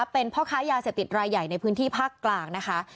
เป็นพ่อค้ายาเสพติดรายใหญ่ในพื้นที่ภาคกลางนะคะ